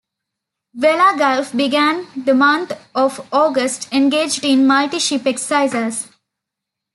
"Vella Gulf" began the month of August engaged in multi-ship exercises.